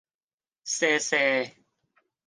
射射